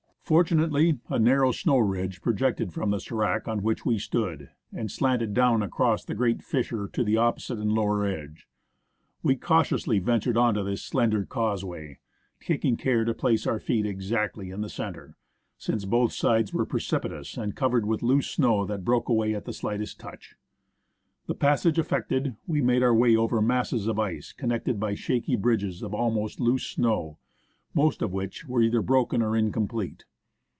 Fortunately, a nar row snow ridge projected from the sdrac on which we stood, and slanted down across the ereat fissure to the opposite and lower edo^e. We cautiously ventured on to this slender causeway, taking care to place our feet exactly in the centre, since both sides were precipitous and covered with loose snow that broke away at the slight est touch. The passage effected, we made our way over masses of ice connected by shaky bridges of almost loose snow, most of which were either broken or incomplete.